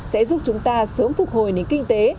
sẽ giúp chúng ta sớm phục hồi nền kinh tế